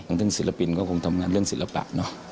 ทั้งศิลปินก็คงทำงานเรื่องศิลปะเนาะ